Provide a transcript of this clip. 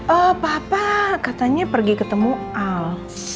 oh papa katanya pergi ketemu al